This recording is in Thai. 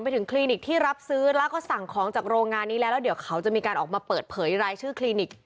ถึงคลินิกที่รับซื้อแล้วก็สั่งของจากโรงงานนี้แล้วแล้วเดี๋ยวเขาจะมีการออกมาเปิดเผยรายชื่อคลินิก